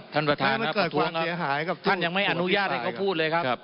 ถ้ามันเกิดควบเสียหายครับท่านยังไม่อนุญาตให้เขาพูดเลยครับ